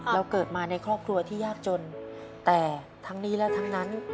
เราเกิดมาในครอบครัวที่ยากจนแต่ทั้งนี้และทั้งนั้น